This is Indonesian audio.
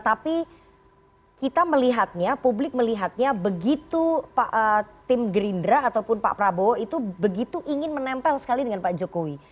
tapi kita melihatnya publik melihatnya begitu tim gerindra ataupun pak prabowo itu begitu ingin menempel sekali dengan pak jokowi